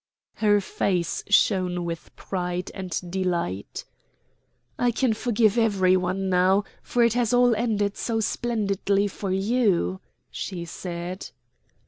Her face shone with pride and delight. "I can forgive every one now, for it has all ended so splendidly for you," she said.